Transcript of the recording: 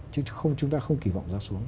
chứ chúng ta không kỳ vọng giá xuống